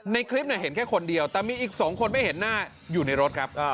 ในคลิปเห็นแค่คนเดียวแต่มีอีก๒คนไม่เห็นหน้าอยู่ในรถครับ